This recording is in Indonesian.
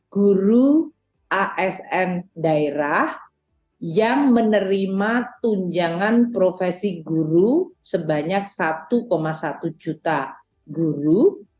guru asm daerah yang menerima tunjangan profesi guru sebanyak satu satu juta guru